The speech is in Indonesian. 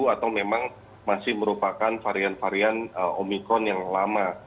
atau memang masih merupakan varian varian omikron yang lama